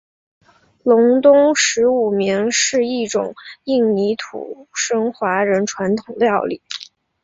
隆东十五暝是一种印尼土生华人传统料理。